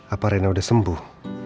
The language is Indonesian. apa rena udah sembuh